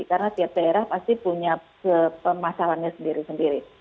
karena tiap daerah pasti punya masalahnya sendiri sendiri